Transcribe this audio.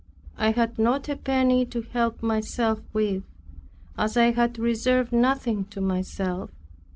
I had not a penny to help myself with, as I had reserved nothing to myself.